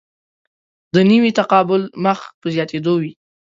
دنیوي تقابل مخ په زیاتېدو وي.